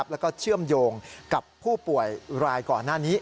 แล้วก็เชื่อมโยงกับผู้ป่วยรายก่อนหน้านี้